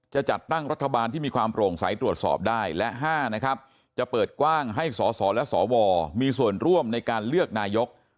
จะจัดตั้งรัฐบาลที่มีความโปร่งใสตรวจสอบได้และ๕นะครับจะเปิดกว้างให้สสและสวมีส่วนร่วมในการเลือกนายก